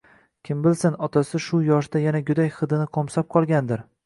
Kim bilsin, otasi shu yoshda yana go`dak hidini qo`msab qolgandir